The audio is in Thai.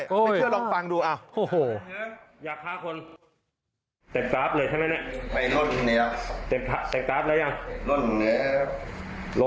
ไม่เชื่อลองฟังดูอ้าวโอ้โห